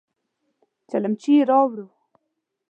چلمچي يې راووړ.